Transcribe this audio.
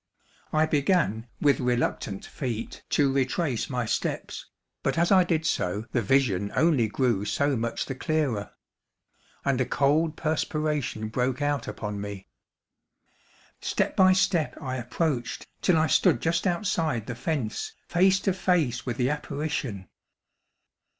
I began, with reluctant feet, to retrace my steps; but as I did so, the vision only grew so much the clearer; and a cold perspiration broke out upon me. Step by step I approached, till I stood just outside the fence, face to face with the apparition.